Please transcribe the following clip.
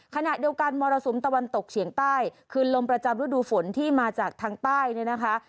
ขณะเดียวกันมรสุมตะวันตกเฉียงใต้คือลมประจำฤดูฝนที่มาจากทางใต้เนี่ยนะคะ